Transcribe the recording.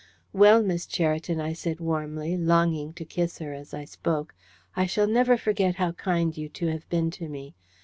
"Well, Miss Cheriton," I said warmly, longing to kiss her as I spoke, "I shall never forget how kind you two have been to me.